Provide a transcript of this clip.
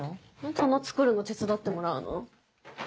棚作るの手伝ってもらうの。